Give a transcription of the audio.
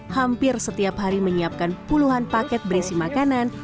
hampir setiap hari menyiapkan puluhan paket berisi makanan